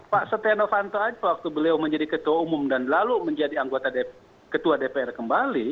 pak setia novanto waktu beliau menjadi ketua umum dan lalu menjadi anggota ketua dpr kembali